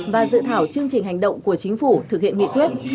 và dự thảo chương trình hành động của chính phủ thực hiện nghị quyết